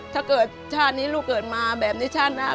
ชาตินี้ลูกเกิดมาแบบนี้ชาติหน้า